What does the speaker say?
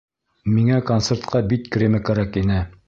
Миңә концертҡа бит кремы кәрәк ине.